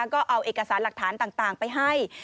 ก็เอาเอกสารหลักฐานต่างไปให้